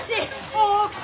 大奥様